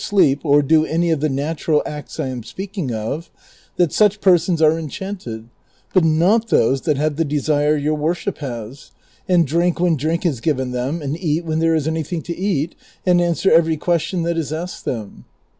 sleep, or do any of the natural acts I am speaking of — that such persons are enchanted ; but not those that have the desire your worship has, and drink when drink is given them, and eat when there is anything to eat, and answer every question that is asked them."